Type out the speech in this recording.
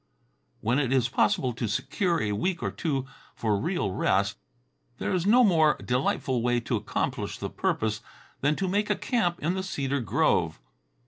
When it is possible to secure a week or two for real rest, there is no more delightful way to accomplish the purpose than to make a camp in the cedar grove.